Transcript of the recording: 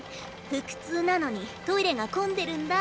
腹痛なのにトイレが混んでるんだ」